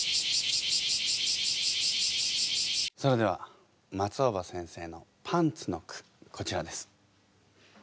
それでは松尾葉先生のパンツの句こちらです。